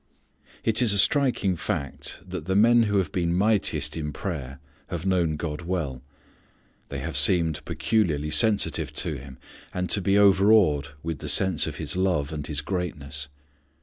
It is a striking fact that the men who have been mightiest in prayer have known God well. They have seemed peculiarly sensitive to Him, and to be overawed with the sense of His love and His greatness.